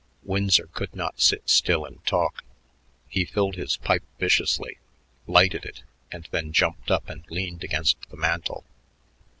Winsor could not sit still and talk. He filled his pipe viciously, lighted it, and then jumped up and leaned against the mantel.